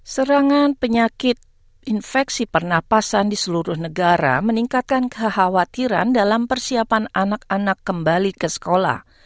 serangan penyakit infeksi pernapasan di seluruh negara meningkatkan kekhawatiran dalam persiapan anak anak kembali ke sekolah